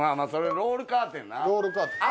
ロールカーテン。